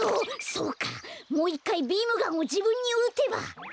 そうかもういっかいビームガンをじぶんにうてば。